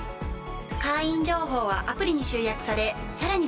会員情報はアプリに集約されさらに便利に。